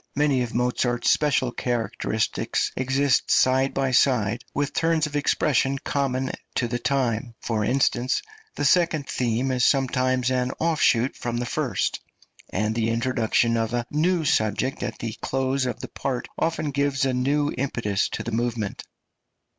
Many of Mozart's special characteristics exist side by side with turns of expression common to the time; for instance, the second theme is sometimes an offshoot from the first, and the introduction of a new subject at the close of the part often gives a new impetus to the movement.